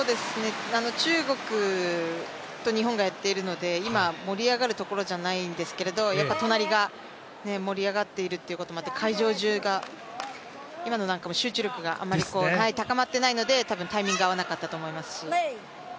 中国と日本がやっているので今、盛り上がるところじゃないですけど隣が盛り上がっているということもあって会場中が、今のなんかも集中力が高まっていないので、タイミングが合わなかったと思いますし。